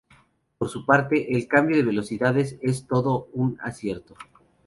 Por su parte, el cambio de velocidades es todo un acierto.